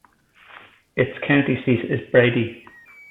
Its county seat is Brady.